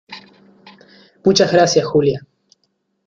muchas gracias, Julia.